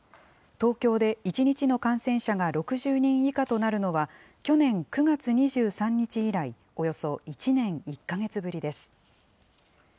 東京で１日の感染者が６０人以下となるのは、去年９月２３日以来およそ１年１か月ぶりです。